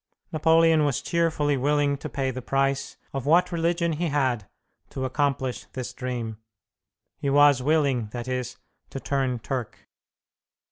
Napoleon was cheerfully willing to pay the price of what religion he had to accomplish this dream. He was willing, that is, to turn Turk.